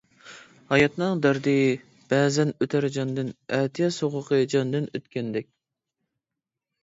ھاياتنىڭ دەردى بەزەن ئۆتەر جاندىن، ئەتىياز سوغۇقى جاندىن ئۆتكەندەك.